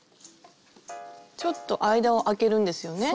ちょっと間をあけるんですよね？